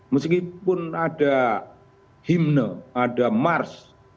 meskipun ada himne ada mars